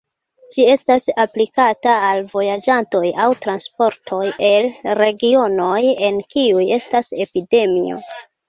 Ĝi estas aplikata al vojaĝantoj aŭ transportoj el regionoj, en kiuj estas epidemio.